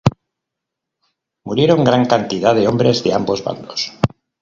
Murieron gran cantidad de hombres de ambos bandos.